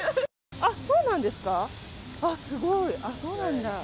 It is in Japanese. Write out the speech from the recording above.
あっ、すごい、ああ、そうなんだ。